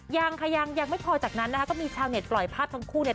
ยังค่ะยังยังไม่พอจากนั้นนะคะก็มีชาวเน็ตปล่อยภาพทั้งคู่เนี่ย